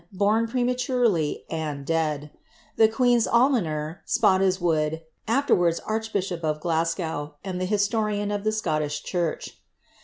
born prematurelv, and dead. The queta'; almoner. Spottiswoode, (afterwards archbishop of Glajgow. and thf !i.i' lorjan of the Scottish church.